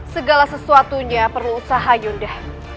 segala sesuatunya perlu usaha yunda